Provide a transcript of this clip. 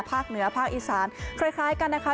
เหนือภาคอีสานคล้ายกันนะคะ